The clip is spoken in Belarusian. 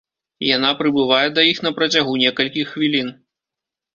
Яна прыбывае да іх на працягу некалькіх хвілін.